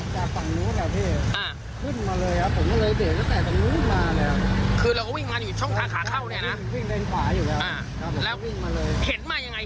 เขากล้ามาจากฝั่งนู้นแล้วพี่